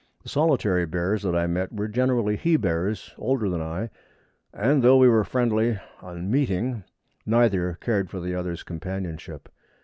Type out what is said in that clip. The solitary bears that I met were generally he bears older than I, and, though we were friendly on meeting, neither cared for the other's companionship.